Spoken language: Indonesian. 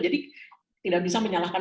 jadi tidak bisa menyalahkan